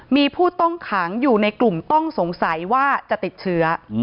มีผู้ต้องขังอยู่ในกลุ่มต้องสงสัยว่าจะติดเชื้อ